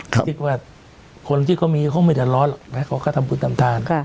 คิดว่าคนที่เค้ามีเค้าไม่แต่ร้อนแล้วเค้าก็ทำบุญตามทาน